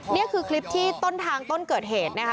นี่คือคลิปที่ต้นทางต้นเกิดเหตุนะคะ